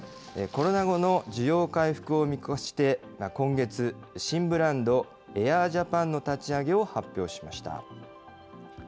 コロナ後の需要回復を見越して、今月、新ブランド、エアージャパンの立ち上げを発表しました。